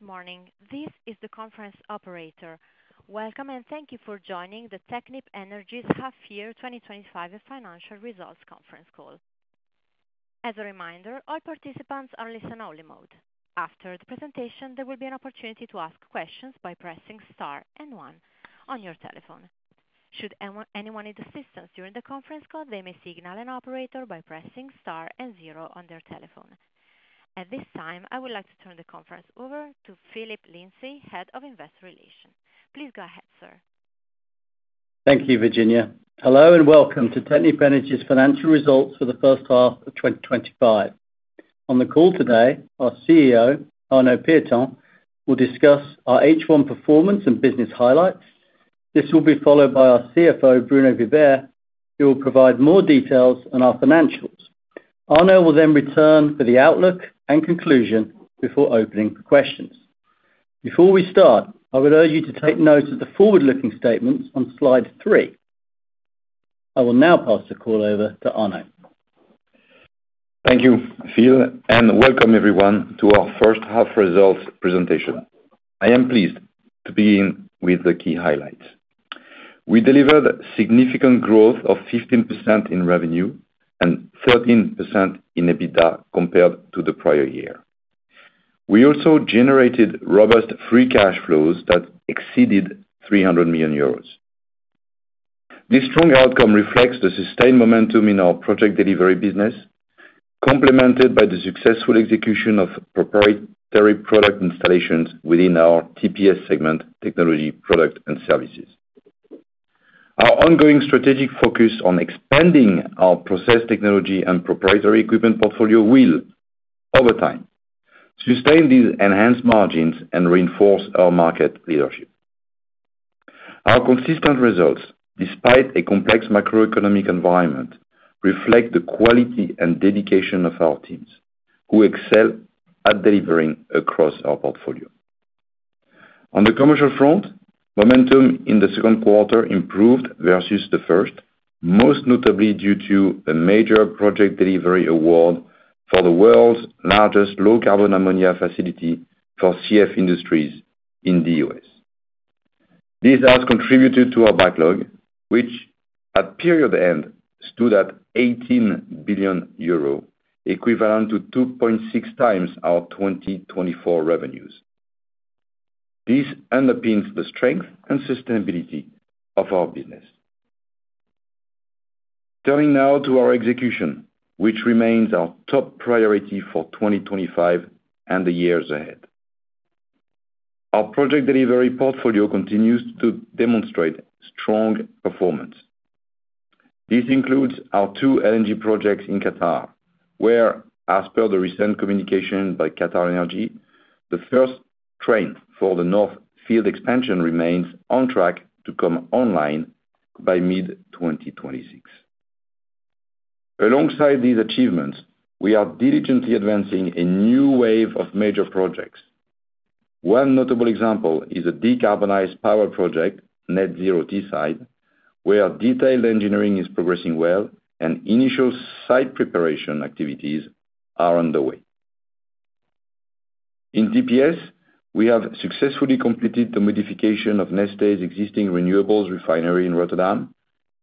Good morning, this is the conference operator. Welcome and thank you for joining the Technip Energies Half Year 2025 Financial Results Conference call. As a reminder, all participants are in listen only mode. After the presentation, there will be an opportunity to ask questions by pressing star and one on your telephone. Should anyone need assistance during the conference call, they may signal an operator by pressing Star and zero on their telephone. At this time I would like to turn the conference over to Phil Lindsay, Head of Investor Relations. Please go ahead sir. Thank you. Virginia, hello and welcome to Technip Energies' financial results for the first half of 2025. On the call today, our CEO Arnaud Pieton will discuss our H1 performance and business highlights. This will be followed by our CFO Bruno Vibert, who will provide more details on our financials. Arnaud will then return for the outlook and conclusion before opening for questions. Before we start, I would urge you to take note of the forward-looking statements on slide three. I will now pass the call over to Arnaud. Thank you, Phil, and welcome everyone to our first half results presentation. I am pleased to begin with the key highlights. We delivered significant growth of 15% in revenue and 13% in EBITDA compared to the prior year. We also generated robust free cash flows that exceeded 300 million euros. This strong outcome reflects the sustained momentum in our Project Delivery business, complemented by the successful execution of proprietary product installations within our TPS segment, Technology, Products and Services. Our ongoing strategic focus on expanding our process technology and proprietary equipment portfolio will, over time, sustain these enhanced margins and reinforce our market leadership. Our consistent results, despite a complex macroeconomic environment, reflect the quality and dedication of our teams who excel at delivering across our portfolio. On the commercial front, momentum in the second quarter improved versus the first, most notably due to a major Project Delivery award for the world's largest low-carbon ammonia facility for CF Industries in the U.S. This has contributed to our backlog, which at period end stood at 18 billion euro, equivalent to 2.6 times our 2024 revenues. This underpins the strength and sustainability of our business. Turning now to our execution, which remains our top priority for 2025 and the years ahead, our Project Delivery portfolio continues to demonstrate strong performance. This includes our two LNG projects in Qatar, where, as per the recent communication by QatarEnergy, the first train for the North Field expansion remains on track to come online by mid-2026. Alongside these achievements, we are diligently advancing a new wave of major projects. One notable example is a decarbonized power project, Net Zero Teesside, where detailed engineering is progressing well and initial site preparation activities are underway in TPS. We have successfully completed the modification of Neste's existing renewables refinery in Rotterdam,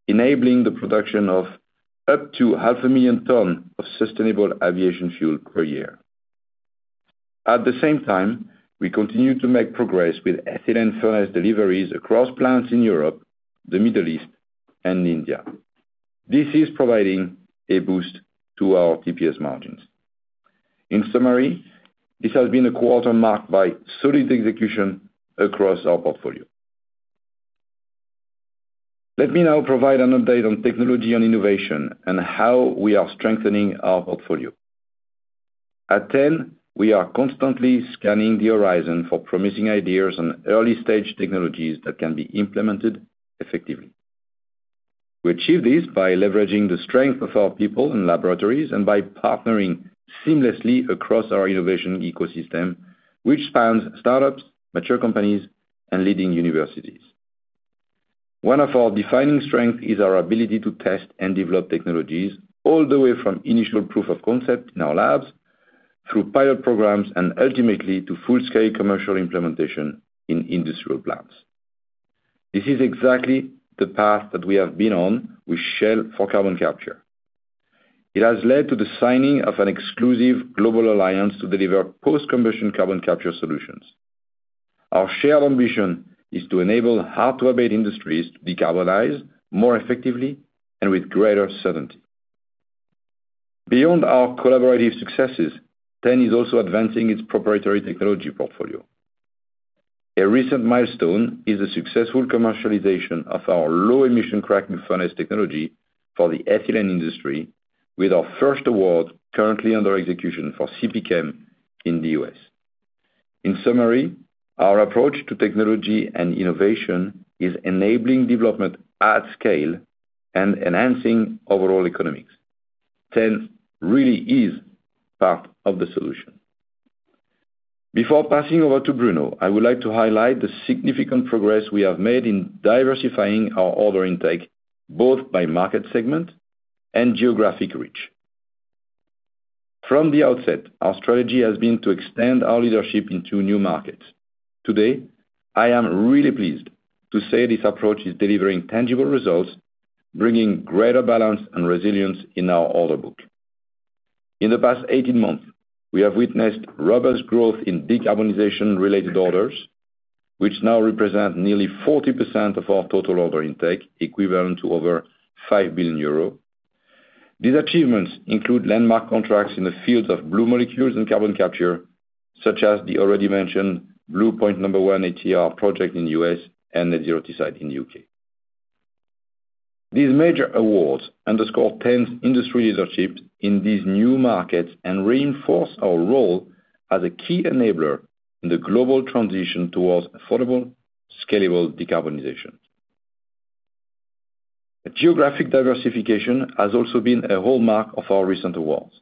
enabling the production of up to half a million tonnes of sustainable aviation fuel per year. At the same time, we continue to make progress with ethylene furnace deliveries across plants in Europe, the Middle East, and India. This is providing a boost to our TPS margins. In summary, this has been a quarter marked by solid execution across our portfolio. Let me now provide an update on technology and innovation and how we are strengthening our portfolio at Technip Energies. We are constantly scanning the horizon for promising ideas on early stage technologies that can be implemented effectively. We achieve this by leveraging the strength of our people and laboratories and by partnering seamlessly across our innovation ecosystem, which spans startups, mature companies, and leading universities. One of our defining strengths is our ability to test and develop technologies all the way from initial proof of concept in our labs, through pilot programs, and ultimately to full scale commercial implementation in industrial plants. This is exactly the path that we have been on with Shell for carbon capture. It has led to the signing of an exclusive global alliance to deliver post-combustion carbon capture solutions. Our shared ambition is to enable hard-to-abate industries to decarbonize more effectively and with greater certainty. Beyond our collaborative successes, Technip Energies is also advancing its proprietary technology portfolio. A recent milestone is the successful commercialization of our low-emission cracking furnace technology for the ethylene industry, with our first award currently under execution for Chevron Phillips Chemical in the U.S. In summary, our approach to technology and innovation is enabling development at scale and enhancing overall economics. Technip Energies really is part of the solution. Before passing over to Bruno, I would like to highlight the significant progress we have made in diversifying our order intake both by market segment and geographic reach. From the outset, our strategy has been to extend our leadership into new markets. Today, I am really pleased to say this approach is delivering tangible results, bringing greater balance and resilience in our order book. In the past 18 months, we have witnessed robust growth in decarbonization-related orders, which now represent nearly 40% of our total order intake, equivalent to over 5 billion euro. These achievements include landmark contracts in the field of blue molecules and carbon capture, such as the already mentioned Blue Point No. 1 ATR project in the U.S. and Net Zero Teesside in the U.K.. These major awards underscore Technip Energies' industry leadership in these new markets and reinforce our role as a key enabler in the global transition towards affordable, scalable decarbonization. Geographic diversification has also been a hallmark of our recent awards.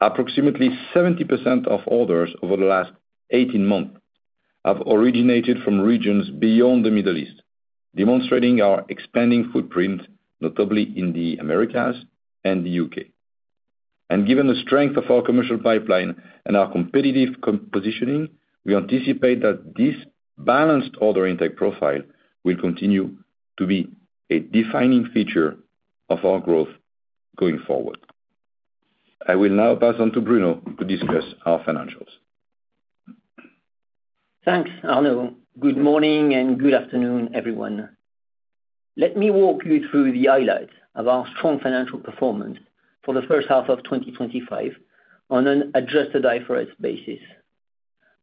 Approximately 70% of orders over the last 18 months have originated from regions beyond the Middle East, demonstrating our expanding footprint notably in the Americas and the U.K.. Given the strength of our commercial pipeline and our competitive positioning, we anticipate that this balanced order intake profile will continue to be a defining feature of our growth going forward. I will now pass on to Bruno to discuss our financials. Thanks Arnaud, good morning and good afternoon everyone. Let me walk you through the highlights of our strong financial performance for the first half of 2025. On an adjusted IFRS basis,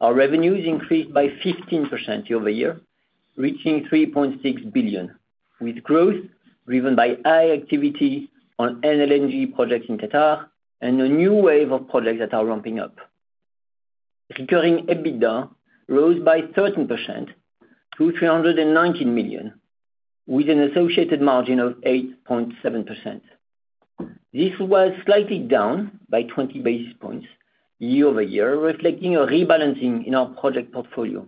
our revenues increased by 15% year-over-year, reaching 3.6 billion, with growth driven by high activity on LNG projects in Qatar and a new wave of projects that are ramping up. Recurring EBITDA rose by 13% to 319 million with an associated margin of 8.7%. This was slightly down by 20 basis points year-over-year, reflecting a rebalancing in our project portfolio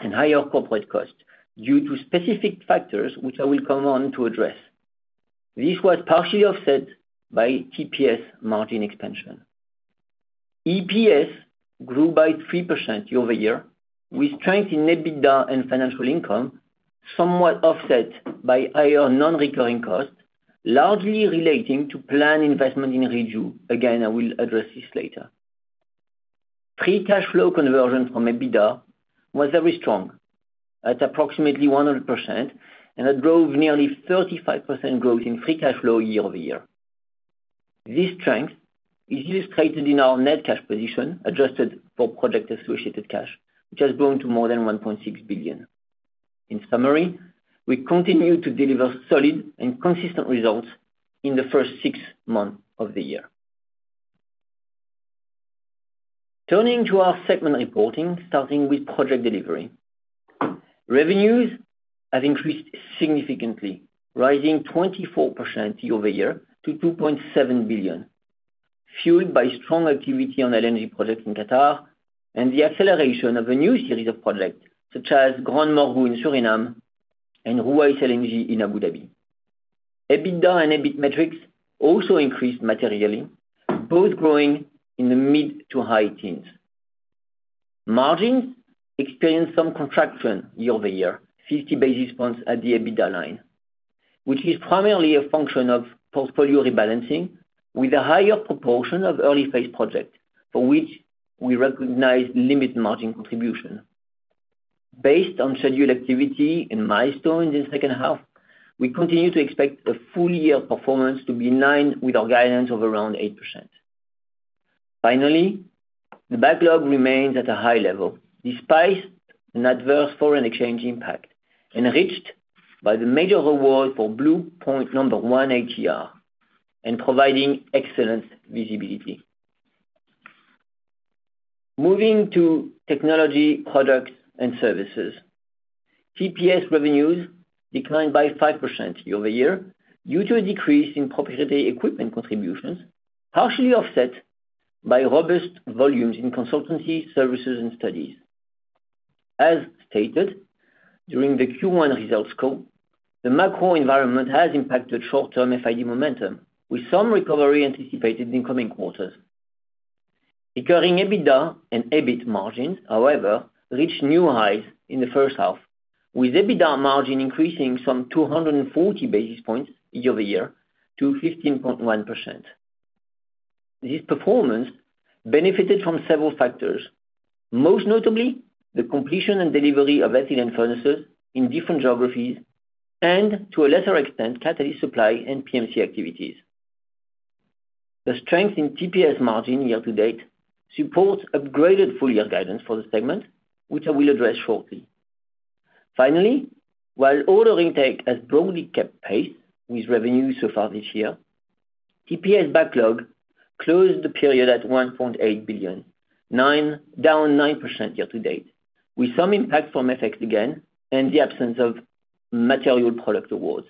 and higher corporate costs due to specific factors which I will come on to address. This was partially offset by TPS margin expansion. EPS grew by 3% year-over-year with strength in EBITDA and financial income somewhat offset by higher non-recurring costs largely relating to planned investment in rejuvenation. Again, I will address this later. Free cash flow conversion from EBITDA was very strong at approximately 100%, and that drove nearly 35% growth in free cash flow year-over-year. This strength is illustrated in our net cash position adjusted for project associated cash, which has grown to more than 1.6 billion. In summary, we continue to deliver solid and consistent results in the first six months of the year. Turning to our segment reporting, starting with Project Delivery, revenues have increased significantly, rising 24% year-over-year to 2.7 billion, fueled by strong activity on LNG projects in Qatar and the acceleration of a new series of projects such as Grand Marux in Suriname and Ruwais LNG in Abu Dhabi. EBITDA and EBIT metrics also increased materially, both growing in the mid to high teens. Margins experienced some contraction year-over-year, 50 basis points at the EBITDA line, which is primarily a function of portfolio rebalancing with a higher proportion of early phase projects for which we recognize limited margin contribution based on scheduled activity and milestones. In the second half, we continue to expect a full year performance to be in line with our guidance of around 8%. Finally, the backlog remains at a high level despite an adverse foreign exchange impact, enriched by the major award for Blue Point No. 1 ATR and providing excellent visibility. Moving to Technology, Products & Services, TPS revenues declined by 5% year-over-year due to a decrease in proprietary equipment contributions, partially offset by robust volumes in consultancy services and studies. As stated during the Q1 results call, the macro environment has impacted short-term FID momentum with some recovery anticipated in coming quarters. Recurring EBITDA and EBIT margins, however, reached new highs in the first half with EBITDA margin increasing some 240 basis points year-over-year to 15.1%. This performance benefited from several factors, most notably the completion and delivery of ethylene furnaces in different geographies and, to a lesser extent, catalyst supply and PMC activities. The strength in TPS margin year to date supports upgraded full-year guidance for the segment, which I will address shortly. Finally, while order intake has broadly kept pace with revenues so far this year, TPS backlog closed the period at 1.8 billion, down 9% year to date with some impact from FX again and the absence of material product awards.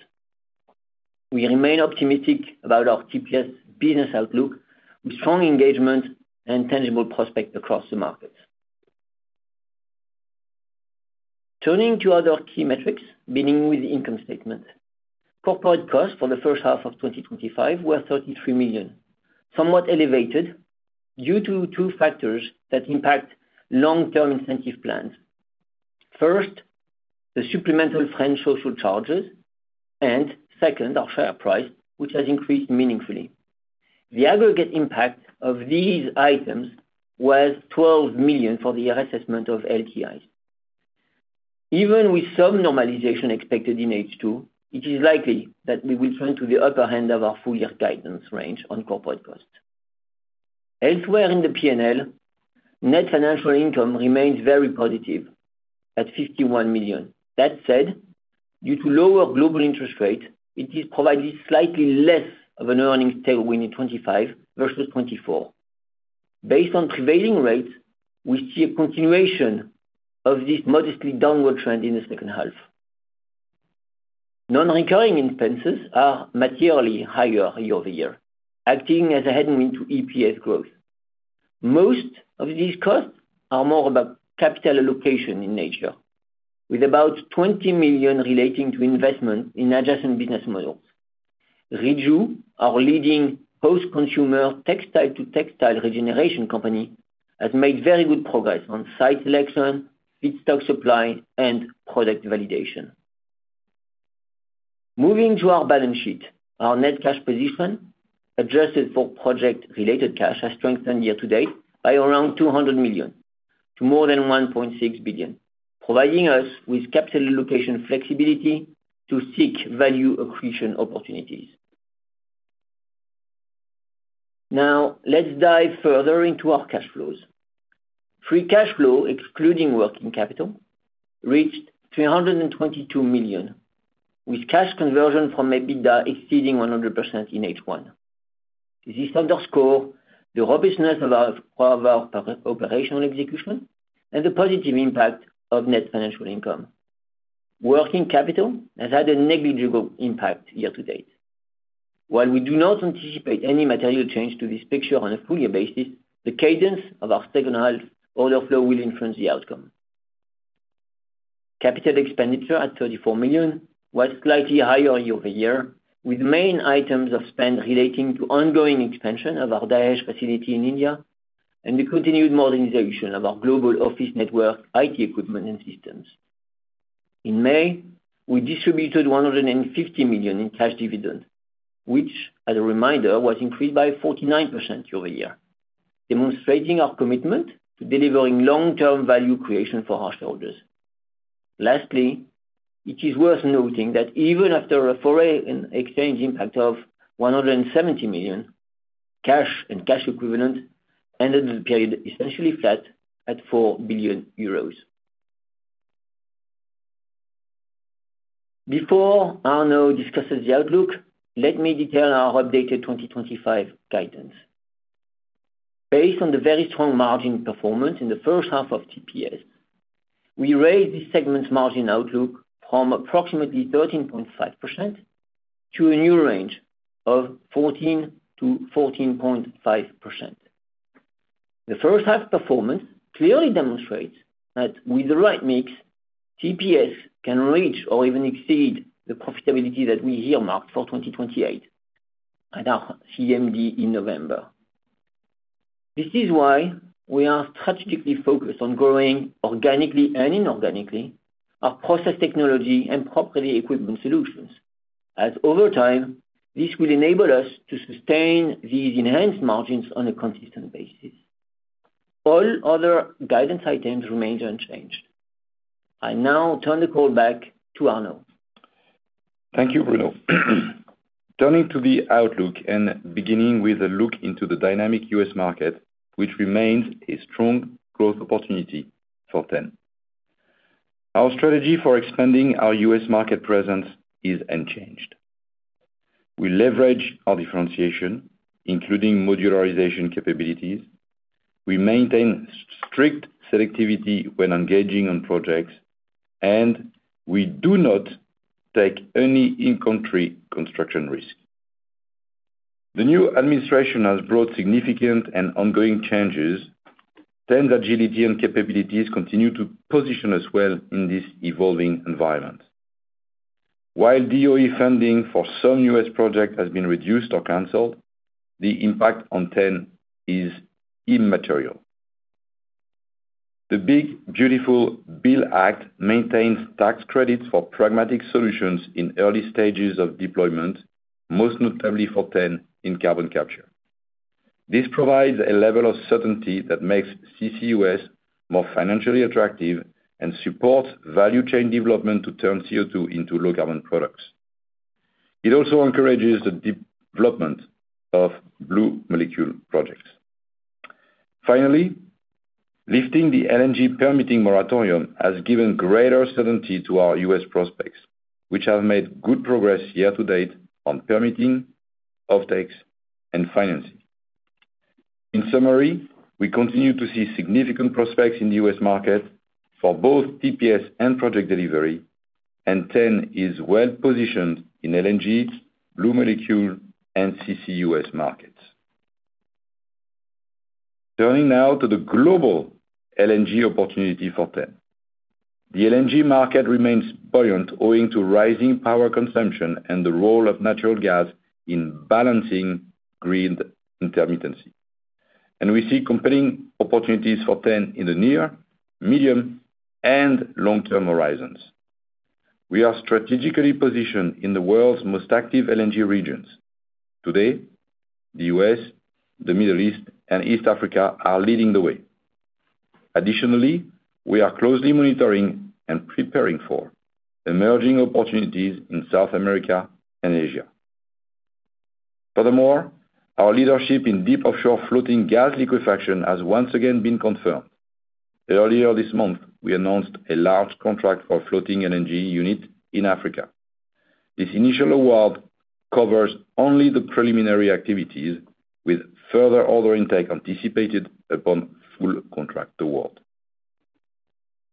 We remain optimistic about our TPS business outlook with strong engagement and tangible prospects across the market. Turning to other key metrics, beginning with the income statement, corporate costs for the first half of 2025 were 33 million, somewhat elevated due to two factors that impact long-term incentive plans. First, the supplemental French social charges and second, our share price, which has increased meaningfully. The aggregate impact of these items was 12 million for the reassessment of LTIs. Even with some normalization expected in H2, it is likely that we will turn to the upper end of our full-year guidance range on corporate costs. Elsewhere in the P&L, net financial income remains very positive at 51 million. That said, due to lower global interest rates, it has provided slightly less of an earnings tailwind in 2025 versus 2024. Based on prevailing rates, we see a continuation of this modestly downward trend in the second half. Non-recurring expenses are materially higher year-over-year, acting as a headwind to EPS growth. Most of these costs are more about capital allocation in nature, with about 20 million relating to investment in adjacent business models. Riju, our leading host consumer textile-to-textile regeneration company, has made very good progress on site selection, feedstock supply, and product validation. Moving to our balance sheet, our net cash position adjusted for project-related cash has strengthened year to date by around 200 million to more than 1.6 billion, providing us with capital allocation flexibility to seek value accretion opportunities. Now let's dive further into our cash flows. Free cash flow excluding working capital reached 322 million with cash conversion from EBITDA exceeding 100% in H1. This underscores the robustness of our operational execution and the positive impact of net financial income. Working capital has had a negligible impact year to date. While we do not anticipate any material change to this picture on a full year basis, the cadence of our second half order flow will influence the outcome. Capital expenditure at 34 million was slightly higher year-over-year with main items of spend relating to ongoing expansion of our Dahej facility in India and the continued modernization of our global office network, IT equipment, and systems. In May we distributed 150 million in cash dividend which, as a reminder, was increased by 49% year-over-year, demonstrating our commitment to delivering long term value creation for our shareholders. Lastly, it is worth noting that even after a foreign exchange impact of 170 million, cash and cash equivalents ended the period essentially flat at 4 billion euros. Before Arnaud discusses the outlook, let me detail our updated 2025 guidance. Based on the very strong margin performance in the first half of TPS, we raised this segment's margin outlook from approximately 13.5% to a new range of 14%-14.5%. The first half performance clearly demonstrates that with the right mix, TPS can reach or even exceed the profitability that we earmarked for 2028 and our CMD in November. This is why we are strategically focused on growing organically and inorganically our process technology and proprietary equipment solutions, as over time this will enable us to sustain these enhanced margins on a consistent basis. All other guidance items remain unchanged. I now turn the call back to Arnaud. Thank you, Bruno. Turning to the outlook and beginning with a look into the dynamic U.S. market, which remains a strong growth opportunity for Technip Energies, our strategy for expanding our U.S. market presence is unchanged. We leverage our differentiation, including modularization capabilities, we maintain strict selectivity when engaging on projects, and we do not take any in-country construction risk. The new administration has brought significant and ongoing changes. Technip Energies' agility and capabilities continue to position us well in this evolving environment. While DOE funding for some U.S. projects has been reduced or canceled, the impact on Technip Energies is immaterial. The Big Beautiful Bill Act maintains tax credits for pragmatic solutions in early stages of deployment, most notably for Technip Energies in carbon capture. This provides a level of certainty that makes CCUS more financially attractive and supports value chain development to turn CO2 into low-carbon products. It also encourages the development of blue molecule projects. Finally, lifting the LNG permitting moratorium has given greater certainty to our U.S. prospects, which have made good progress year to date on permitting, offtakes, and financing. In summary, we continue to see significant prospects in the U.S. market for both TPS and Project Delivery, and Technip Energies is well positioned in LNG, blue molecule, and CCUS markets. Turning now to the global LNG opportunity for Technip Energies, the LNG market remains buoyant owing to rising power consumption and the role of natural gas in balancing grid intermittency, and we see compelling opportunities for Technip Energies in the near, medium, and long-term horizons. We are strategically positioned in the world's most active LNG regions today. The U.S., the Middle East, and East Africa are leading the way. Additionally, we are closely monitoring and preparing for emerging opportunities in South America and Asia. Furthermore, our leadership in deep offshore floating gas liquefaction has once again been confirmed. Earlier this month, we announced a large contract for a floating LNG unit in Africa. This initial award covers only the preliminary activities, with further order intake anticipated upon full contract award,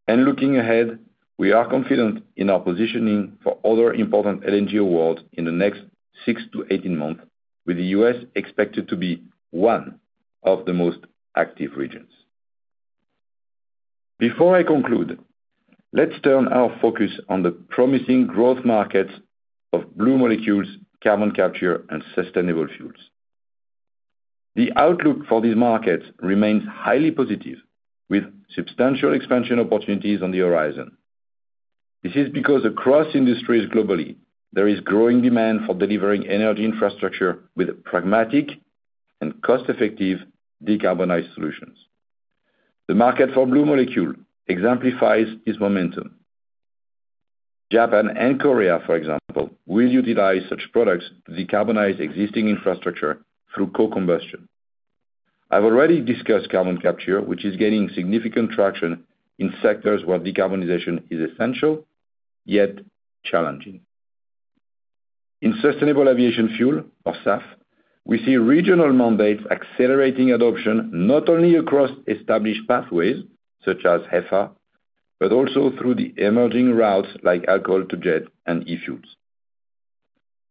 and looking ahead, we are confident in our positioning for other important LNG awards in the next six to 18 months, with the U.S. expected to be one of the most active regions. Before I conclude, let's turn our focus on the promising growth markets of blue molecules, carbon capture, and sustainable fuels. The outlook for these markets remains highly positive, with substantial expansion opportunities on the horizon. This is because across industries globally, there is growing demand for delivering energy infrastructure with pragmatic and cost-effective decarbonized solutions. The market for Blue Molecule exemplifies its momentum. Japan and Korea, for example, will utilize such products to decarbonize existing infrastructure through co-combustion. I've already discussed carbon capture, which is gaining significant traction in sectors where decarbonization is essential yet challenging. In sustainable aviation fuel, or SAF, we see regional mandates accelerating adoption not only across established pathways such as HEFA but also through the emerging routes like alcohol-to-jet and E-fuels.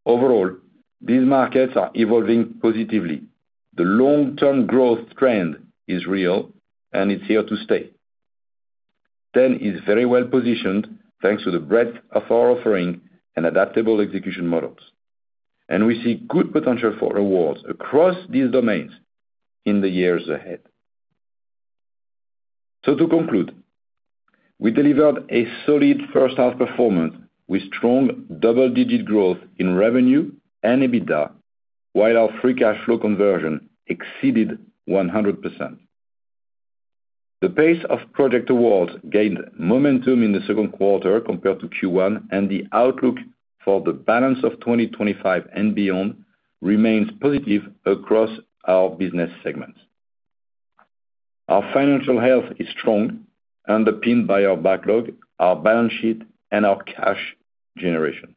Overall, these markets are evolving positively. The long-term growth trend is real, and it's here to stay. Technip Energies is very well positioned thanks to the breadth of our offering and adaptable execution models, and we see good potential for rewards across these domains in the years ahead. To conclude, we delivered a solid first half performance with strong double-digit growth in revenue and EBITDA. While our free cash flow conversion exceeded 100%, the pace of project awards gained momentum in the second quarter compared to Q1, and the outlook for the balance of 2025 and beyond remains positive. Across our business segments, our financial health is strong, underpinned by our backlog, our balance sheet, and our cash generation,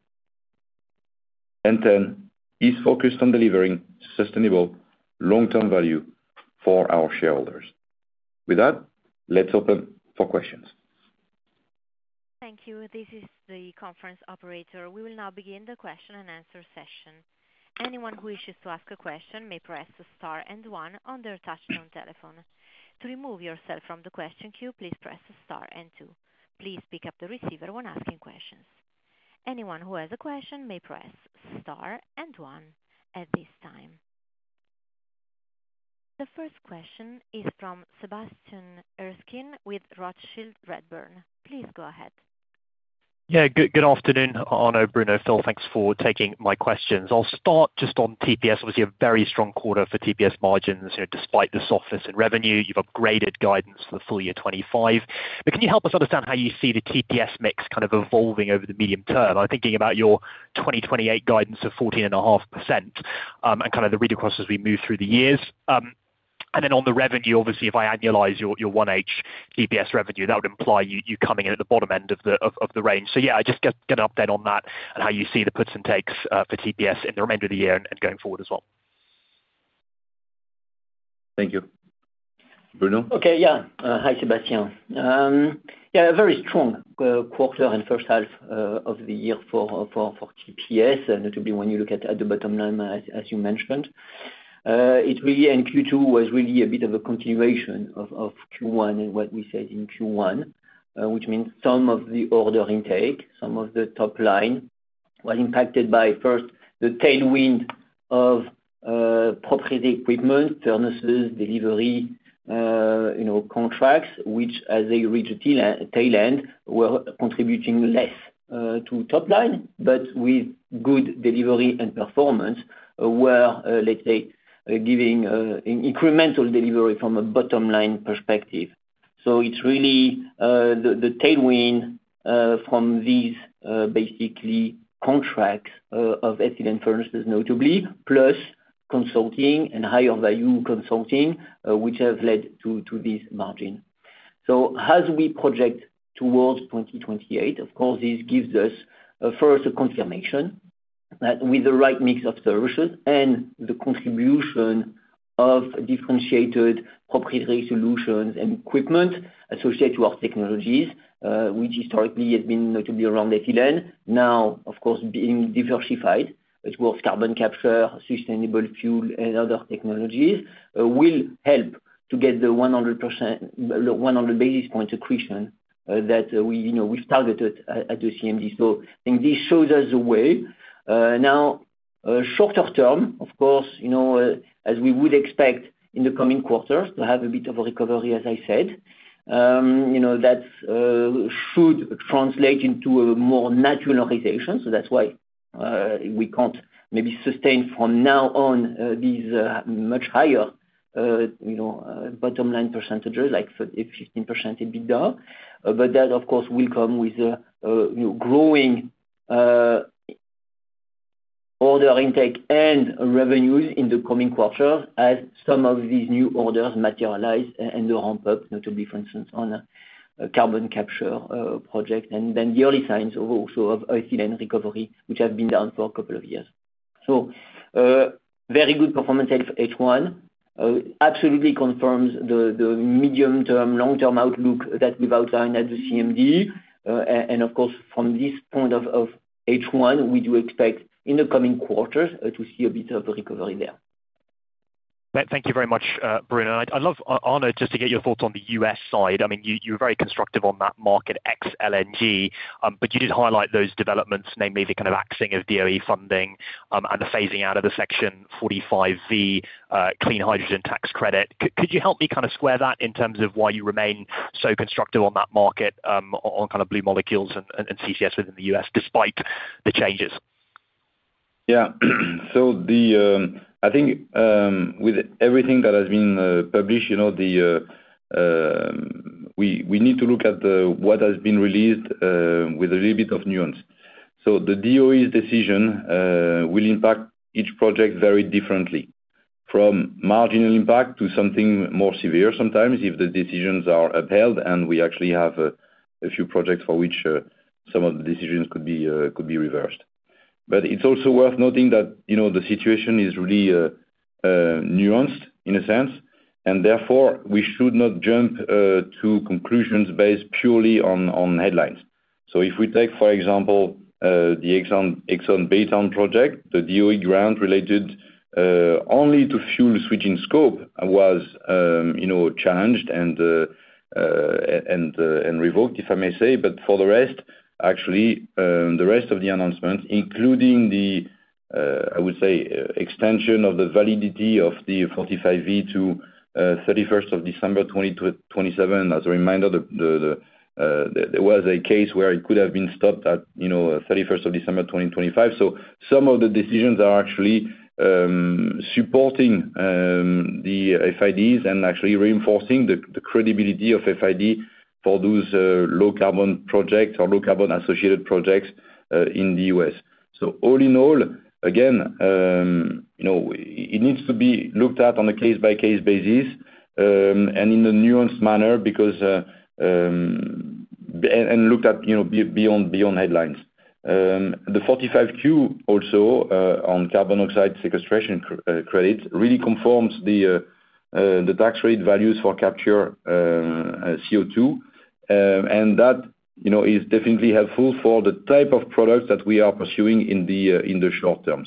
and Technip Energies is focused on delivering sustainable long-term value for our shareholders. With that, let's open for questions. Thank you. This is the conference operator. We will now begin the question-and-answer session. Anyone who wishes to ask a question may press star and one on their touchtone telephone. To remove yourself from the question queue, please press Star and two. Please pick up the receiver when asking questions. Anyone who has a question may press Star and one at this time. The first question is from Sebastian Erskine with Redburn Atlantic. Please go ahead. Yeah, good afternoon, Arnaud, Bruno, Phil, thanks for taking my questions. I'll start just on TPS. Obviously a very strong quarter for TPS margins despite the softness in revenue. You've upgraded guidance for the full year 2025. Can you help us understand how you see the TPS mix kind of evolving over the medium term? I'm thinking about your 2028 guidance of 14.5% and kind of the read across as we move through the years. On the revenue, obviously if I annualize your 1H TPS revenue, that would imply you coming in at the bottom end of the range. I just get at that and how you see the puts and takes for TPS in the remainder of the year and going forward as well. Thank you, Bruno. Okay. Yeah, hi, Sebastian. Yeah, a very strong quarter and first half of the year for TPS. Notably, when you look at the bottom line, as you mentioned, it really, and Q2 was really a bit of a continuation of Q1 and what we said in Q1, which means some of the order intake, some of the top line was impacted by first the tailwind of equipment, furnaces, delivery contracts, which as they reach tail end were contributing less to top line, but with good delivery and performance were, let's say, giving incremental delivery from a bottom line perspective. It's really the tailwind from these basically contracts of ethylene furnaces, notably plus consulting and higher value consulting, which have led to this margin. As we project towards 2028, of course, this gives us first a confirmation that with the right mix of services and the contribution of differentiated proprietary solutions and equipment associated with technologies, which historically has been notably around ethylene, now of course being diversified, it was carbon capture, sustainable fuel, and other technologies will help to get the 100 basis point accretion that we've targeted at the CMD. This shows us the way. Now, shorter term, of course, as we would expect in the coming quarters to have a bit of a recovery, as I said, that should translate into a more naturalization. That's why we can't maybe sustain from now on these much higher bottom line percentages like 15% EBITDA. That of course will come with growing order intake and revenues in the coming quarters as some of these new orders materialize and the ramp up, notably for instance on carbon capture project and then the early signs also of recovery which have been down for a couple of years. Very good performance. H1 absolutely confirms the medium term, long term outlook that we've outlined at the CMD. Of course, from this point of H1, we do expect in the coming quarters to see a bit of recovery there. Thank you very much, Bruno. I'd love, Arnaud, just to get your thoughts on the U.S. side. I mean, you were very constructive on that market ex LNG, but you did highlight those developments, namely the kind of axing of DOE funding and the phasing out of the Section 45V clean hydrogen tax credit. Could you help me kind of square that in terms of why you remain so constructive on that market on kind of blue molecules and CCS within the U.S. despite the changes? Yeah, I think with everything that has been published, we need to look at what has been released with a little bit of nuance. The DOE's decision will impact each project very differently, from marginal impact to something more severe sometimes if the decisions are upheld, and we actually have a few projects for which some of the decisions could be reversed. It's also worth noting that the situation is really nuanced in a sense and therefore we should not jump to conclusions based purely on headlines. If we take, for example, the Exxon Baytown project, the DOE grant related only to fuel switching scope was challenged and revoked, if I may say. For the rest, actually the rest of the announcements, including the extension of the validity of the 45E to December 31, 2027—as a reminder, there was a case where it could have been stopped at December 31, 2025. Some of the decisions are actually supporting the FIDs and reinforcing the credibility of FID for those low-carbon projects or low-carbon associated projects in the U.S. All in all, again. It needs. To be looked at on a case-by-case basis and in a nuanced manner because and looked at beyond headlines. The 45Q also on carbon oxide sequestration credit really conforms the tax rate values for captured CO2, and that is definitely helpful for the type of products that we are pursuing in the short term.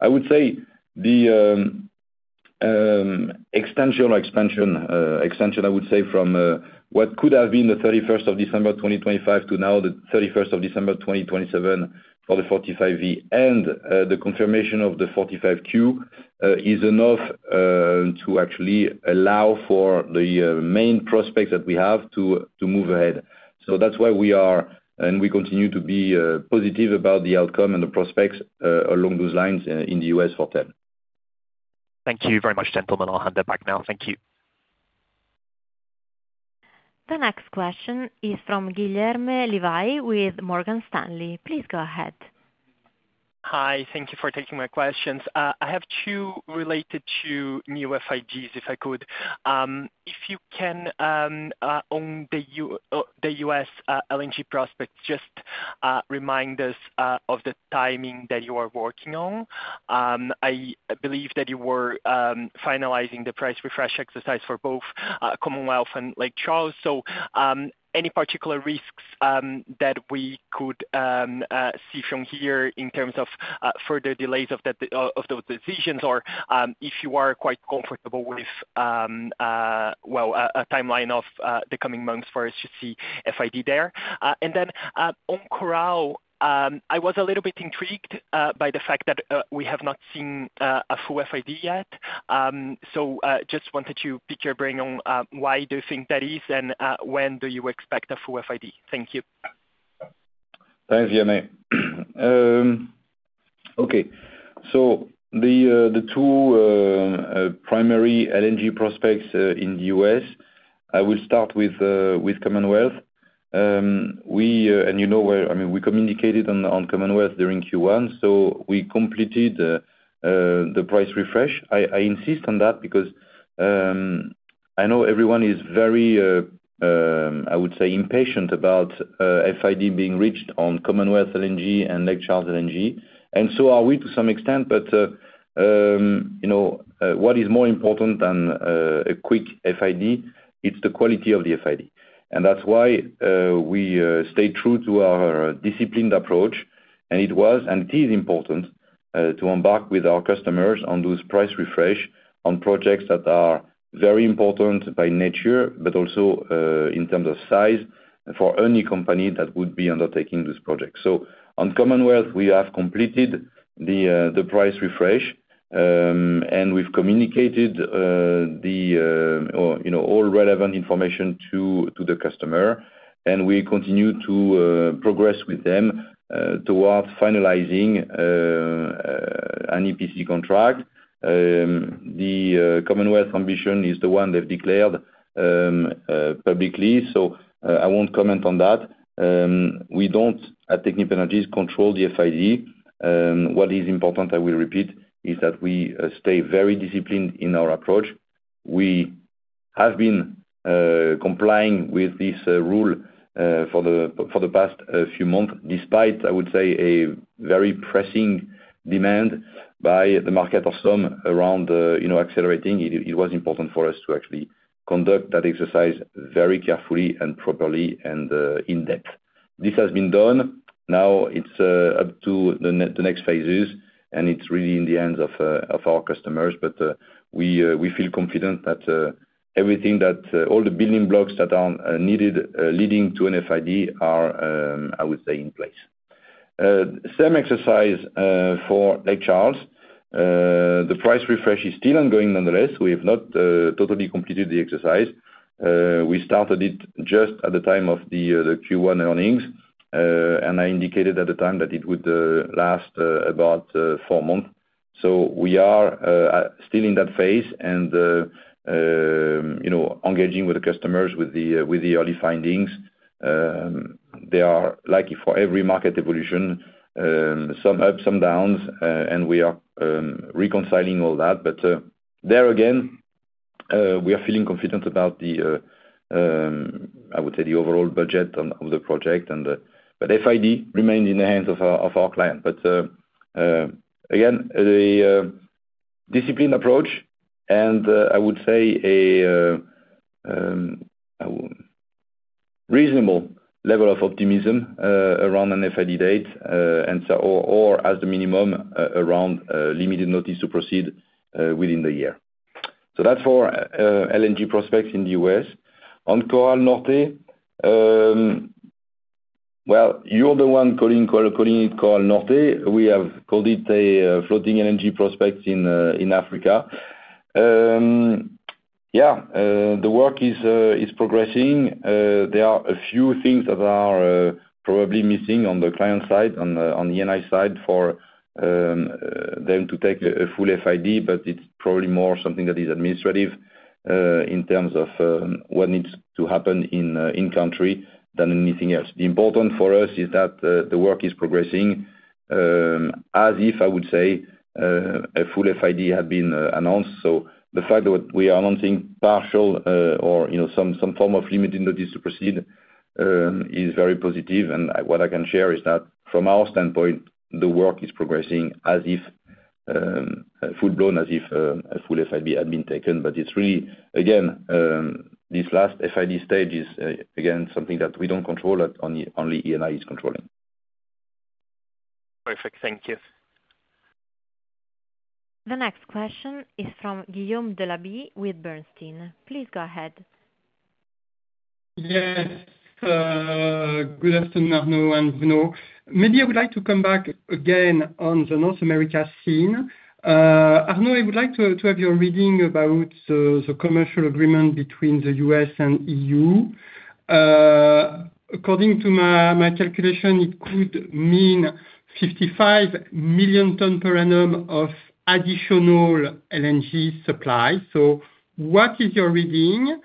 I would say the extension from what could have been 31 December 2025 to now 31 December 2027 for the 45E and the confirmation of the 45Q is enough to actually allow for the main prospects that we have to move ahead. That is why we are, and we continue to be, positive about the outcome and the prospects along those lines in the U.S. for Technip Energies. Thank you very much, gentlemen. I'll hand it back now. Thank you. The next question is from Guilherme Levy with Morgan Stanley. Please go ahead. Hi. Thank you for taking my questions. I have two related to new FIDs. If I could. If you can own the U.S. LNG prospects, just remind us of the timing. That you are working on. I believe that you were finalizing the price refresh exercise for both Commonwealth and Lake Charles. Are there any particular risks that we could see from here in terms of further delays of those decisions, or are you quite comfortable with a timeline of the coming months for us to see FID there? On Coral, I was a little bit intrigued by the fact that we have not seen a full FID yet. I just wanted to pick your brain on why you think that is and when you expect a full FID. Thank you. Thanks, Herme. Okay, so the two primary LNG prospects in the U.S. I will start with Commonwealth. I mean, we communicated on Commonwealth during Q1, so we completed the price refresh. I insist on that because I know everyone is very, I would say, impatient about FID being reached on Commonwealth LNG and Lake Charles LNG. So are we to some extent. What is more important than a quick FID? It's the quality of the FID. That's why we stayed true to our disciplined approach. It was, and it is important to embark with our customers on those price refresh on projects that are very important by nature, but also in terms of size for any company that would be undertaking this project. On Commonwealth, we have completed the price refresh and we've communicated all relevant information to the customer and we continue to progress with them towards finalizing an EPC contract. The Commonwealth ambition is the one they've declared publicly, so I won't comment on that. We don't, at Technip Energies, control the FID. What is important, I will repeat, is that we stay very disciplined in our approach. We have been complying with this rule for the past few months despite, I would say, a very pressing demand by the market or some around accelerating. It was important for us to actually conduct that exercise very carefully and properly and in depth. This has been done. Now it's up to the next phases and it's really in the hands of our customers. We feel confident that everything, that all the building blocks that are needed leading to an FID are, I would say, in place. Same exercise for Lake Charles. The price refresh is still ongoing. Nonetheless, we have not totally completed the exercise. We started it just at the time of the Q1 earnings and I indicated at the time that it would last about four months. We are still in that phase and engaging with the customers with the early findings. They are lucky for every market evolution, some up, some downs, and we are reconciling all that. There again we are feeling confident about the, I would say, the overall budget of the project. FID remained in the hands of our client. Again, a disciplined approach and I would say a reasonable level of optimism around an FID date or at the minimum around limited notice to proceed within the year. That's for LNG prospects in the U.S. on Coral Norte. You're the one calling it Coral Norte. We have called it a floating LNG prospect in Africa. The work is progressing. There are a few things that are probably missing on the client side, on the Eni side, for them to take a full FID, but it's probably more something that is administrative in terms of what needs to happen in country than anything else. The important thing for us is that the work is progressing as if, I would say, a full FID had been announced. The fact that we are announcing partial or some form of limited notice to proceed is very positive. What I can share is that from our standpoint, the work is progressing as if full blown, as if a full FID had been taken. This last FID stage is again something that we don't control, that only Eni is controlling. Perfect. Thank you. The next question is from Guillaume Delaby with Bernstein. Please go ahead. Yes, good afternoon, Arnaud and Bruno. Maybe I would like to come back again on the North America scene. Arnaud, I would like to have your reading about the commercial agreement between the U.S. and EU. According to my calculation, it could mean 55 million tonnes per annum of additional LNG supply. What is your reading?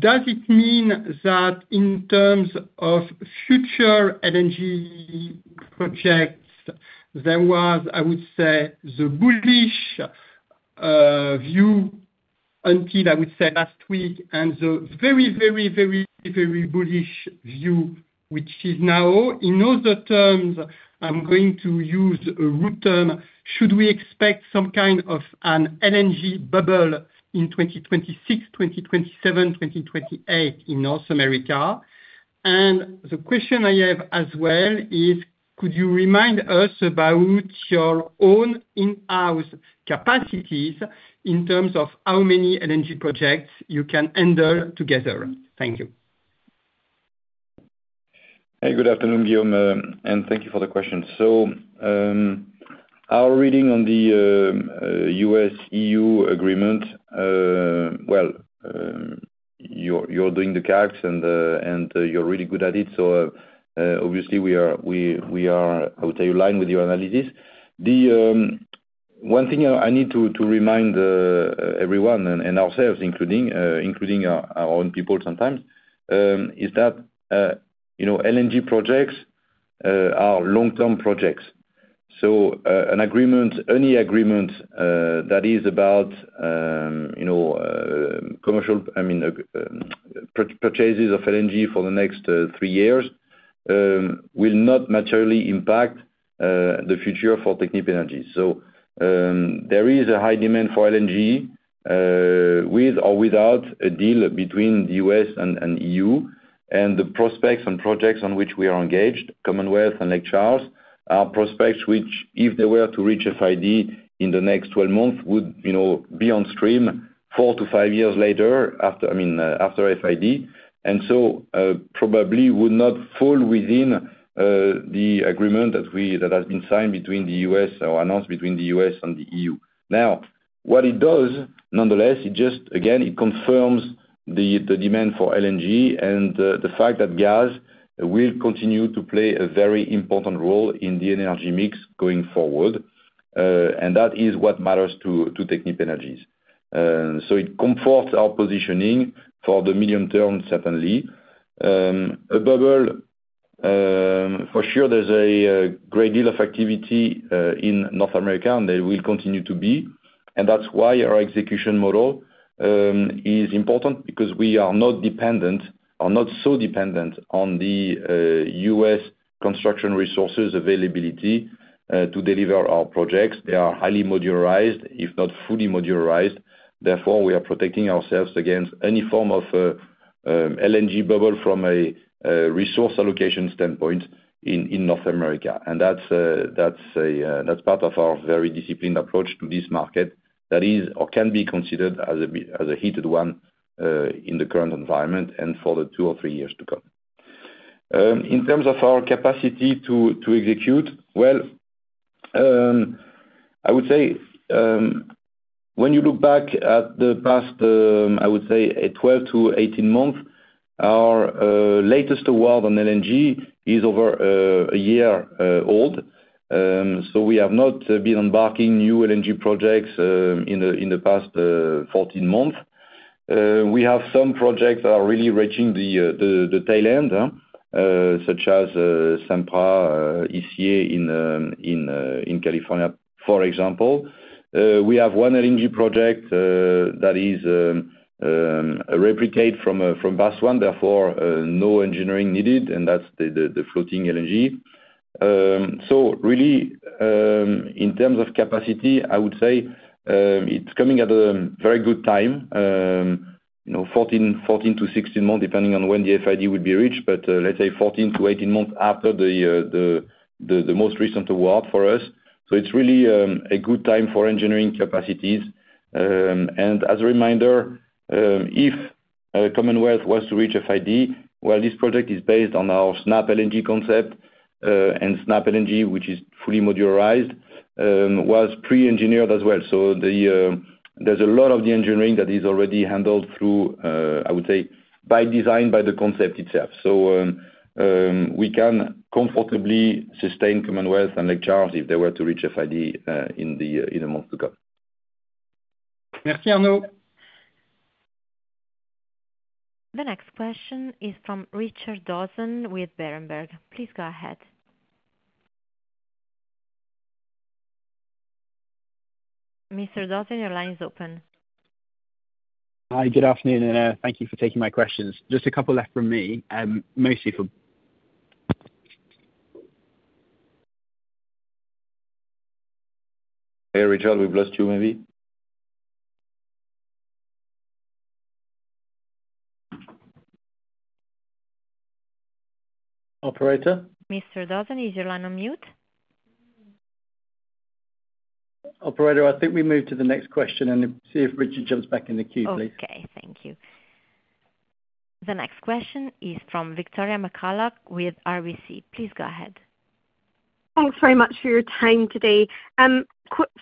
Does it mean that in terms of future LNG projects, there was, I would say, the bullish view until, I would say, last week and the very, very, very, very bullish view which is now. In other terms, I'm going to use a root term. Should we expect some kind of an LNG bubble in 2026, 2027, 2028 in North America? The question I have as well is could you remind us about your own in-house capacities in terms of how many LNG projects you can handle together? Thank you. Hey, good afternoon, Guillaume, and thank you for the question. Our reading on the U.S.-EU agreement, you're doing the calcs and you're really good at it, so obviously we are aligned with your analysis. One thing I need to remind everyone and ourselves, including our own people sometimes, is that LNG projects are long-term projects. An agreement, any agreement that is about, you know, commercial, I mean, purchases of LNG for the next three years will not materially impact the future for Technip Energies. There is a high demand for LNG with or without a deal between the U.S. and EU. The prospects and projects on which we are engaged, Commonwealth and Lake Charles, are prospects which if they were to reach FID in the next 12 months, would be on stream four to five years later after FID, and probably would not fall within the agreement that has been signed between the U.S. or announced between the U.S. and the EU. What it does nonetheless, it just again, it confirms the demand for LNG and the fact that gas will continue to play a very important role in the energy mix going forward. That is what matters to Technip Energies. It comforts our positioning for the medium term. Certainly above all, for sure, there's a great deal of activity in North America and there will continue to be. That's why our execution model is important, because we are not dependent on, are not so dependent on the U.S. construction resources availability to deliver our projects. They are highly modularized, if not fully modularized. Therefore, we are protecting ourselves against any form of LNG bubble from a resource allocation standpoint in North America. That's part of our very disciplined approach to this market that is or can be considered as a heated one in the current environment and for the two or three years to come. In terms of our capacity to execute, I would say when you look back at the past, I would say 12-18 months. Our latest award on LNG is over a year old. We have not been embarking new LNG projects in the past 14 months. We have some projects that are really reaching the tail end, such as Sempra ECA in California, for example. We have one LNG project that is replicated from BAS1, therefore no engineering needed, and that's the floating LNG. In terms of capacity, I would say it's coming at a very good time, 14-16 months depending on when the FID will be reached. Let's say 14-18 months after the most recent award for us. It's really a good time for engineering capacities. As a reminder, if Commonwealth was to reach FID, this project is based on our SnapLNG concept, and SnapLNG, which is fully modularized, was pre-engineered as well. There's a lot of the engineering that is already handled, I would say, by design, by the concept itself. We can comfortably sustain Commonwealth and Lectures if they were to reach FID in the months to come. The next question is from Richard Dawson with Berenberg. Please go ahead. Mr. Dawson, your line is open. Hi, good afternoon, and thank you for taking my questions. Just a couple left from me, mostly for Richard. We blessed you maybe. Operator. Mr. Dawson, is your line on mute? Operator? I think we move to the next question and see if Richard jumps back in the queue, please. Okay, thank you. The next question is from Victoria McCulloch with RBC. Please go ahead. Thanks very much for your time today.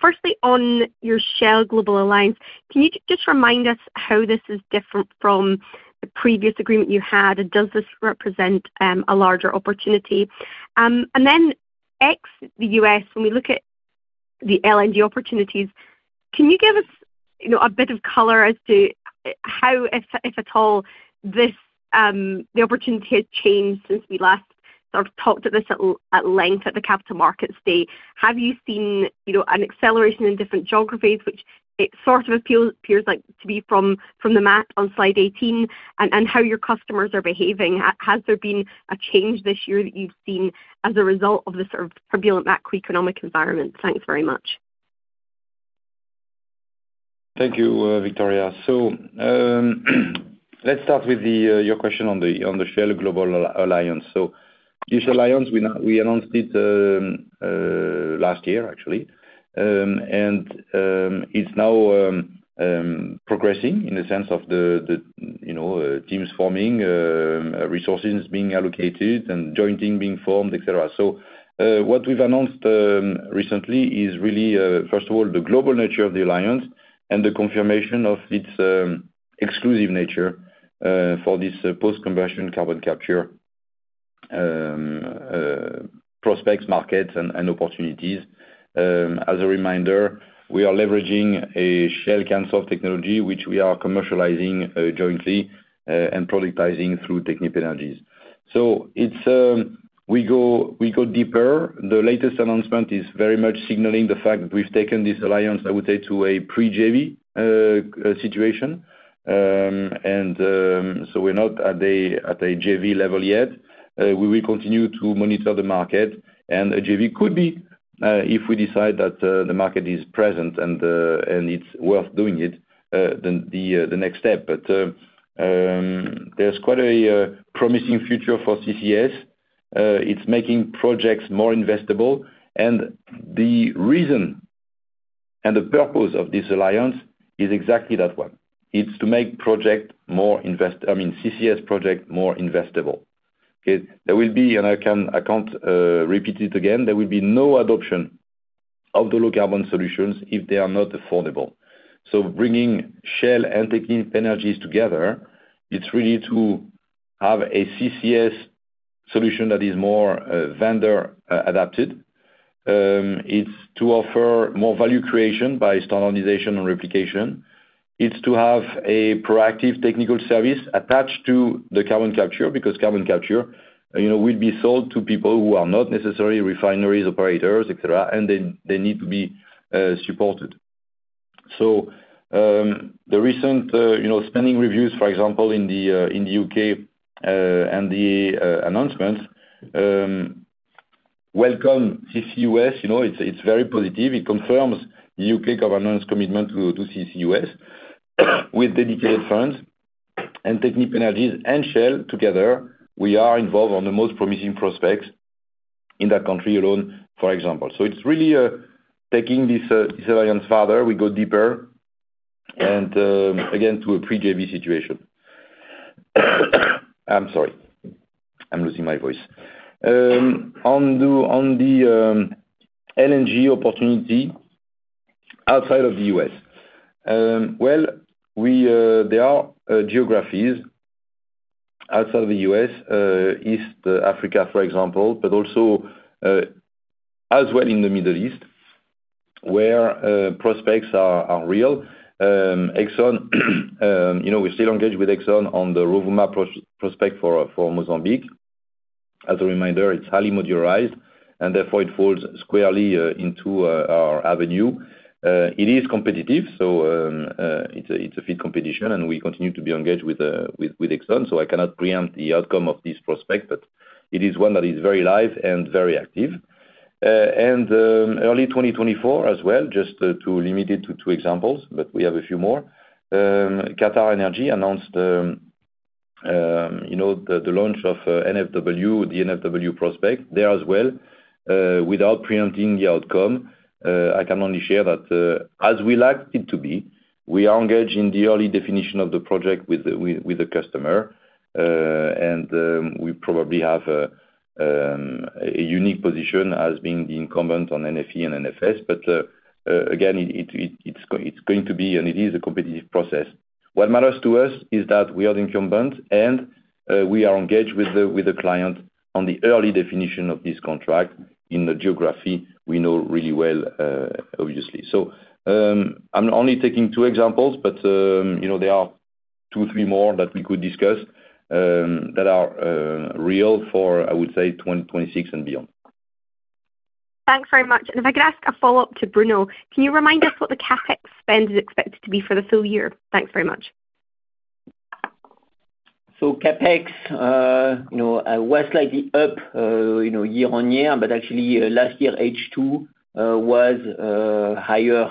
Firstly, on your Shell global alliance, can you just remind us how this is different from the previous agreement you had? Does this represent a larger opportunity and then ex the U.S. when we look at the LNG opportunities, can you give us a bit of color as to how if at all the opportunity has changed since we last talked at this at length at the capital markets day? Have you seen an acceleration in different geographies, which it sort of appears to be from the map on slide 18, and how your customers are behaving? Has there been a change this year that you've seen as a result of the sort of turbulent macroeconomic environment? Thanks very much. Thank you, Victoria. Let's start with your question on the Shell global alliance. The Q alliance, we announced it last year actually, and it's now progressing in the sense of the teams forming, resources being allocated, and jointing being formed, et cetera. What we've announced recently is really, first of all, the global nature of the alliance and the confirmation of its exclusive nature for this post-combustion carbon capture prospects, markets, and opportunities. As a reminder, we are leveraging a Shell CANSOLV technology, which we are commercializing jointly and productizing through Technip Energies. The latest announcement is very much signaling the fact that we've taken this alliance, I would say, to a pre-JV situation. We're not at a JV level yet. We will continue to monitor the market, and a JV could be, if we decide that the market is present and it's worth doing it, the next step. There's quite a promising future for CCS. It's making projects more investable. The reason and the purpose of this alliance is exactly that one, it's to make projects more investable, I mean CCS projects more investable. There will be, and I can't repeat it again, there will be no adoption of the low-carbon solutions if they are not affordable. Bringing Shell and Technip Energies together, it's really to have a CCS solution that is more vendor-adapted. It's to offer more value creation by standardization and replication. It's to have a proactive technical service attached to the carbon capture because carbon capture will be sold to people who are not necessarily refineries operators, et cetera, and they need to be supported. The recent spending reviews, for example in the U.K., and the announcements welcome CCUS. It's very positive. It confirms the U.K. government's commitment to CCUS with dedicated funds, and Technip Energies and Shell together, we are involved on the most promising prospects in that country alone, for example. It's really taking this further, we go deeper, and again to a pre-JV situation. I'm sorry, I'm losing my voice. On. The LNG opportunity outside of the U.S. There are geographies outside of the U.S., East Africa for example, but also as well in the Middle East where prospects are real. Exxon. We're still engaged with Exxon on the Rovuma prospect for Mozambique. As a reminder, it's highly modularized and therefore it falls squarely into our avenue. It is competitive, so it's a fit competition and we continue to be engaged with Exxon. I cannot preempt the outcome of this prospect, but it is one that is very live and very active and early 2024 as well. Just to limit it to two examples, we have a few more. QatarEnergy announced the launch of NFW, the NFW prospect there as well. Without preempting the outcome, I can only share that as we like it to be, we are engaged in the early definition of the project with the customer and we probably have a unique position as being the incumbent on NFE and NFS. Again, it's going to be and it is a competitive process. What matters to us is that we are the incumbent and we are engaged with the client on the early definition of this contract in the geography. We know really well, obviously. I'm only taking two examples, but there are two, three more that we could discuss that are real for I would say 2026 and beyond. Thanks very much. If I could ask a follow up to Bruno, can you remind us what the CapEx spend is expected to be for the full year? Thanks very much. CapEx was slightly up year on year, but actually last year H2 was higher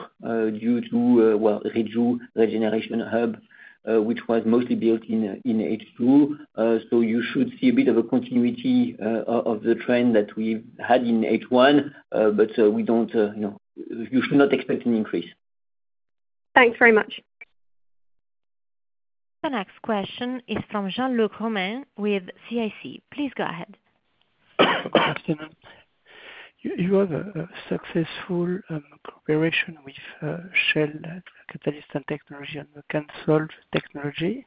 due to rejuvenation regeneration hub, which was mostly built in H1. You should see a bit of a continuity of the trend that we had in H1. We don't, you know, you should not expect an increase. Thanks very much. The next question is from Jean-Luc Romain with CIC Market Solutions. Please go ahead. You have a successful cooperation with Shell Catalyst and Technology and can solve technology.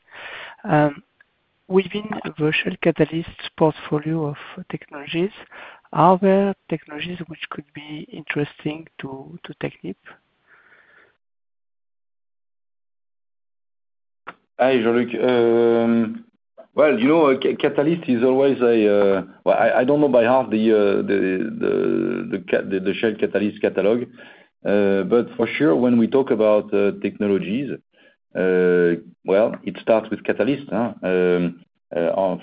Within the Shell Catalyst portfolio of technologies, are there technologies which could be interesting to Technip? Hi Jean-Luc. Catalyst is always a, I don't know by half the Shell catalyst catalog, but for sure when we talk about technologies, it starts with catalysts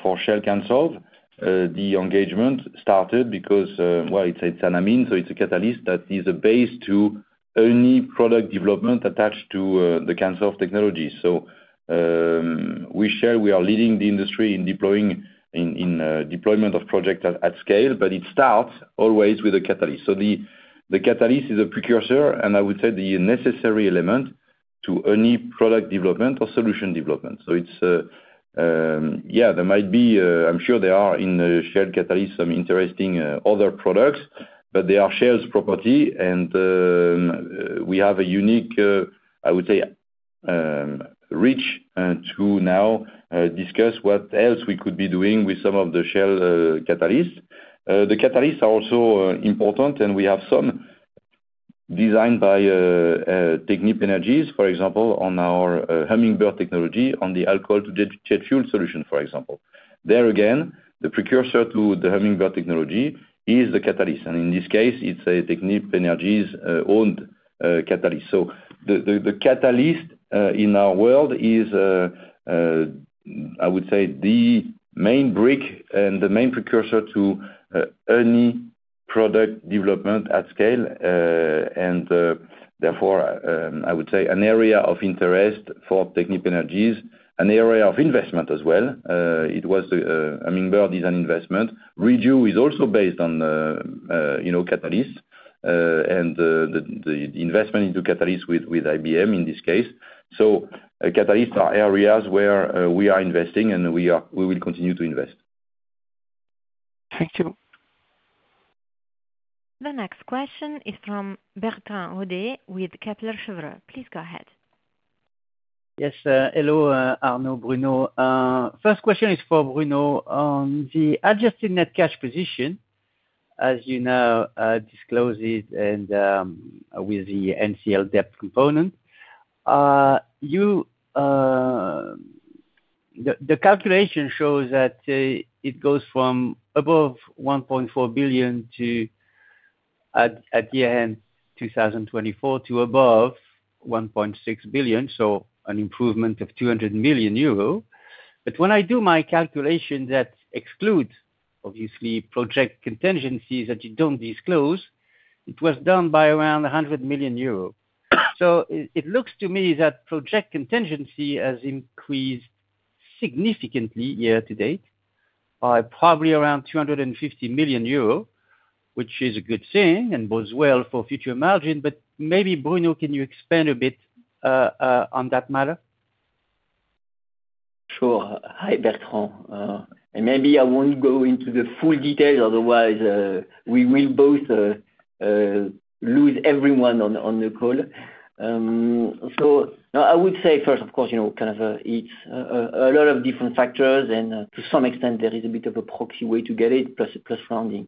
for Shell. The engagement started because it's an amine, so it's a catalyst that is a base to any product development attached to the Shell technology. We are leading the industry in deployment of projects at scale, but it starts always with a catalyst. The catalyst is a precursor and I would say the necessary element to any product development or solution development. There might be, I'm sure there are in Shell catalyst some interesting other products, but they are Shell's property and we have a unique, I would say, reach to now discuss what else we could be doing with some of the Shell catalysts. The catalysts are also important and we have some designed by Technip Energies, for example on our Hummingbird technology, on the alcohol to jet fuel solution for example. There again, the precursor to the Hummingbird technology is the catalyst and in this case it's a Technip Energies owned catalyst. The catalyst in our world is, I would say, the main brick and the main precursor to any product development at scale and therefore I would say an area of interest for Technip Energies, an area of investment as well. Hummingbird is an investment, Rejoule is also based on catalysts, and the investment into catalyst with IBM in this case. Catalysts are areas where we are investing and we will continue to invest. Thank you. The next question is from Bertrand Hodee with Kepler Cheuvreux. Please go ahead. Yes, hello, Arnaud. Bruno. First question is for Bruno on the adjusted net cash position as you now disclose it, and with the NCL debt component, the calculation shows that it goes from above 1.4 billion at the end 2024 to above 1.6 billion. An improvement of 200 million euro. When I do my calculation, that excludes obviously project contingencies that you don't disclose, it was down by around 100 million euros. It looks to me that project contingency has increased significantly year to date by probably around 250 million euro, which is a good thing and bodes well for future margin. Maybe Bruno, can you expand a bit on that matter? Sure. Hi, Bertrand. Maybe I won't go into the full details, otherwise we will both lose everyone on the call. I would say first, of course, you know, it's a lot of different factors and to some extent there is a bit of a proxy way to get it, plus rounding.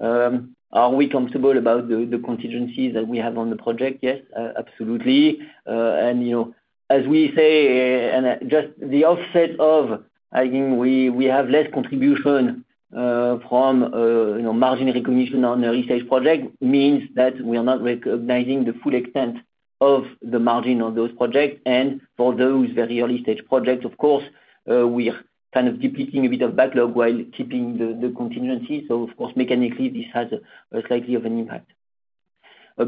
Are we comfortable about the contingencies that we have on the project? Yes, absolutely. As we say, just the offset of, I think we have less contribution from margin recognition on early stage project means that we are not recognizing the full extent of the margin on those projects. For those very early stage projects, of course, we are kind of depleting a bit of backlog while keeping the contingency. Of course, mechanically this has slightly of an impact.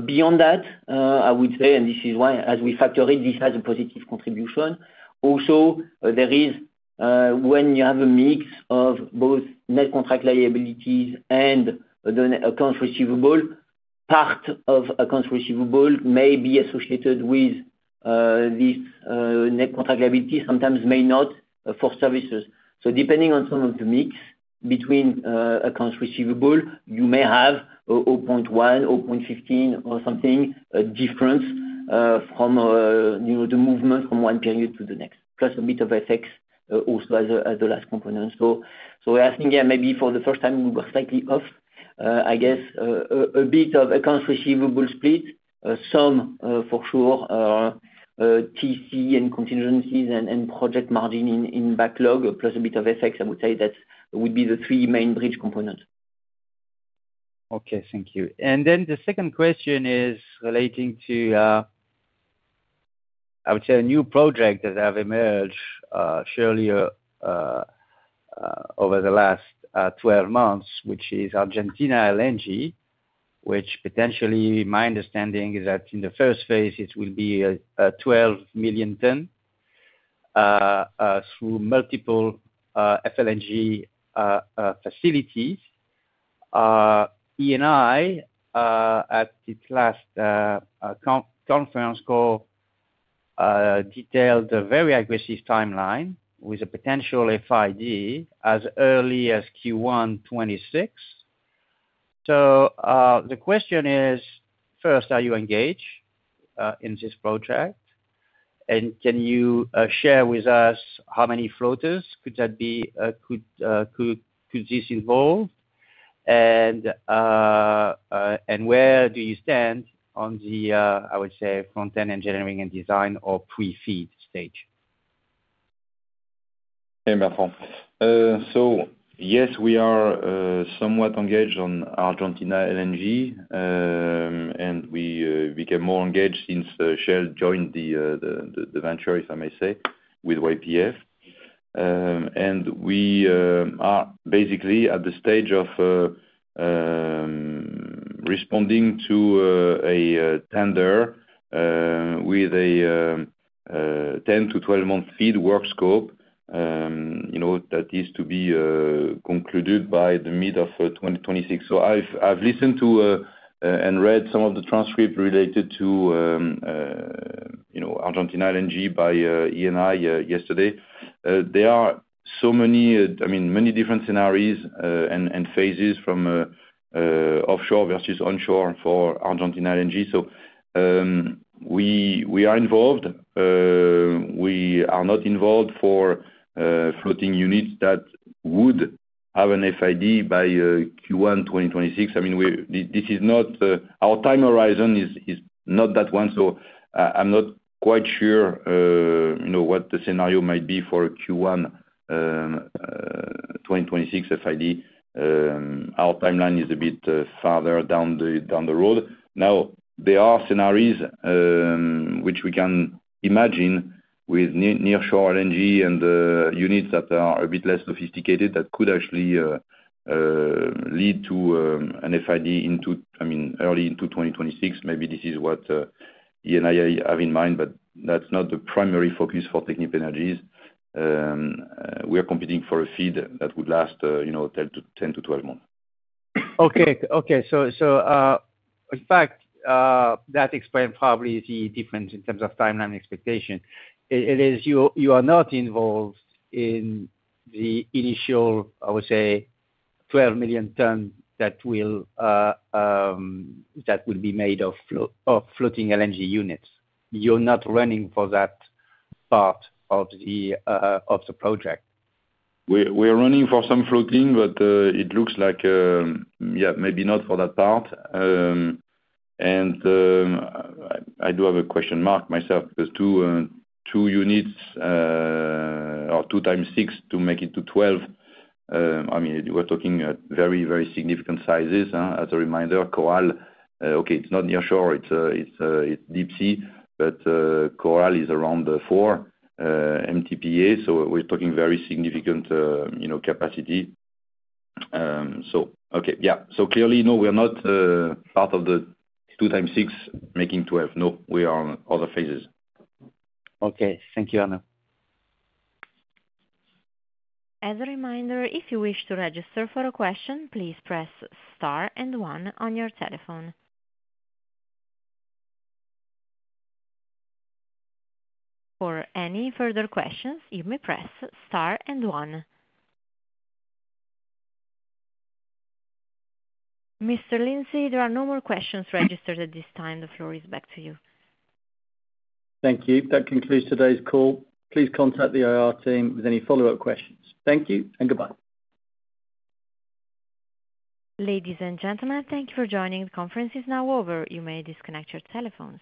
Beyond that, I would say, and this is why as we factor it, this has a positive contribution. Also, when you have a mix of both net contract liabilities and the accounts receivable, part of accounts receivable may be associated with this net contract liability, sometimes may not for services. Depending on some of the mix between accounts receivable, you may have 0.10, 0.15 or something different from the movement from one period to the next, plus a bit of FX also as the last component. I think maybe for the first time we were slightly off, I guess, a bit of accounts receivable, split some for sure, TC and contingencies and project margin in backlog, plus a bit of FX. I would say that would be the three main bridge components. Okay, thank you. The second question is relating. To. I would say a new project that has emerged earlier over the last 12 months, which is Argentina LNG, which potentially my understanding is that in the first phase it will be 12 million tonnes through multiple floating LNG facilities. At its last conference call detailed a very aggressive timeline with a potential FID as early as Q1 2026. The question is first, are you engaged in this project and can you share with us how many floaters could that be? Could this involve and. Where. Do you stand on the, I would say, front end engineering and design or pre-FEED stage? Yes, we are somewhat engaged on Argentina LNG and we became more engaged since Shell joined the venture, I may say, with YPF. We are basically at the stage of responding to a tender with a 10-12 month FEED work scope that is to be concluded by mid-2026. I have listened to and read some of the transcripts related to Argentina LNG by Eni yesterday. There are many different scenarios and phases from offshore versus onshore for Argentine LNG. We are involved, but we are not involved for floating units that would have an FID by Q1 2026. This is not our time horizon, it is not that one. I am not quite sure what the scenario might be for Q1 2026 FID. Our timeline is a bit farther down the road. There are scenarios which we can imagine with nearshore LNG and units that are a bit less sophisticated that could actually lead to an FID early into 2026. Maybe this is what Eni have in mind, but that's not the primary focus for Technip Energies. We are competing for a FEED that would last 10-12 months. Okay, okay. That explains probably the difference in terms of timeline expectation. It is. You are not involved in the initial, I would say, 12 million tonnes that will be made of floating LNG units. You're not running for that part of the project. We are running for some floating, but it looks like, yeah, maybe not for that part. I do have a question mark myself. There's two, two units or two times six to make it to 12. I mean we're talking at very, very significant sizes. As a reminder, Coral, okay, it's not near shore, it's deep sea. Coral is around 4 mtpa. We're talking very significant capacity. Yeah, clearly no, we're not part of the two times six making 12. No, we are on other phases. Okay, thank you, Arnaud. As a reminder, if you wish to register for a question, please press star and 1 on your telephone. For any further questions, you may press star and one. Mr. Lindsay, there are no more questions registered at this time. The floor is back to you. Thank you. That concludes today's call. Please contact the IR team with any follow up questions. Thank you and goodbye. Ladies and gentlemen, thank you for joining. The conference is now over. You may disconnect your telephones.